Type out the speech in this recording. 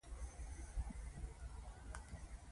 که ته غواړې نو موږ به هغې ته احوال ورلیږو